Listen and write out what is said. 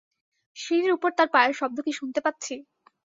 সিঁড়ির উপর তার পায়ের শব্দ কি শুনতে পাচ্ছি।